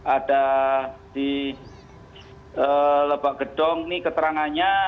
ada di lebak gedong ini keterangannya